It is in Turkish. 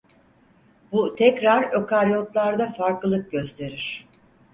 Bu tekrar ökaryotlarda farklılık gösterir.